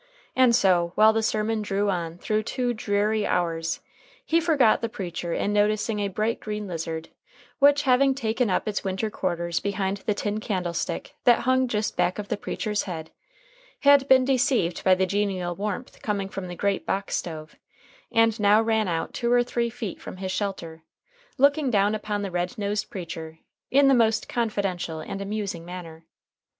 And so, while the sermon drew on through two dreary hours, he forgot the preacher in noticing a bright green lizard which, having taken up its winter quarters behind the tin candlestick that hung just back of the preacher's head, had been deceived by the genial warmth coming from the great box stove, and now ran out two or three feet from his shelter, looking down upon the red nosed preacher in a most confidential and amusing manner.